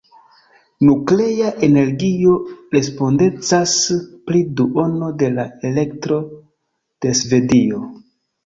Nuklea energio respondecas pri duono de la elektro de Svedio.